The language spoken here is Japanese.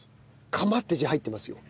「釜」っていう字入ってますよ。